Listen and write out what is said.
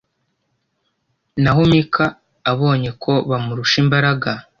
naho mika abonye ko bamurusha imbaraga